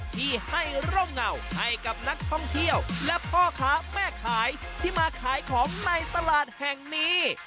ที่ให้ร่มเงาให้กับนักท่องเที่ยวและพ่อค้าแม่ขายที่มาขายของในตลาดแห่งนี้